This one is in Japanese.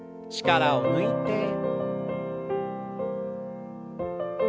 力を抜いて。